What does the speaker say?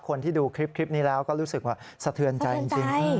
คนที่ดูคลิปนี้แล้วก็รู้สึกว่าสะเทือนใจจริง